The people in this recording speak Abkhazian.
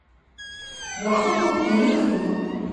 Уахынлоуп ианыԥыруа.